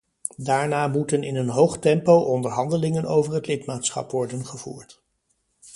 Daarna moeten in hoog tempo onderhandelingen over het lidmaatschap worden gevoerd.